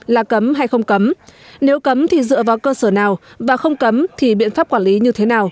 là cấm hay không cấm nếu cấm thì dựa vào cơ sở nào và không cấm thì biện pháp quản lý như thế nào